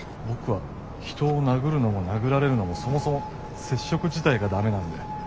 僕は人を殴るのも殴られるのもそもそも接触自体が駄目なんで。